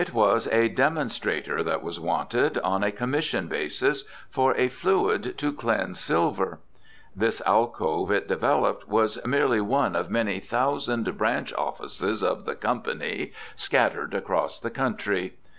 It was a "demonstrator" that was wanted, on a commission basis, for a fluid to cleanse silver. This alcove, it developed, was merely one of many thousand branch offices of the "Co." scattered across the country.